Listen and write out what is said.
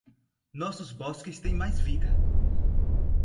Nossos bosques têm mais vida